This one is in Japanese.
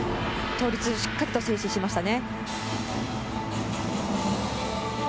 最後の倒立、しっかり静止しましたね。